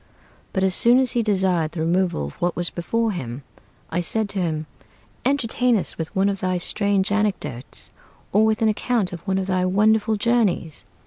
But as soon as he desired the removal of what was before him, I said to him, "Entertain us with one of thy strange anecdotes, Or with an account of one of thy wonderful journeys."